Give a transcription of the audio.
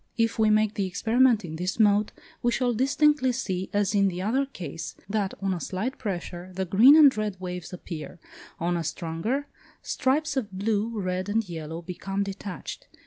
If we make the experiment in this mode, we shall distinctly see, as in the other case, that, on a slight pressure, the green and red waves appear; on a stronger, stripes of blue, red, and yellow, become detached.